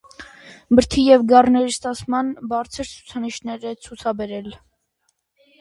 Բրդի և գառների ստացման բարձր ցուցանիշներ է ցուցաբերել։